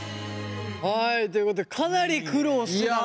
はいということでかなり苦労してたね。